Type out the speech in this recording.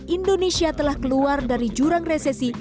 indonesia telah keluar dari jurang resesi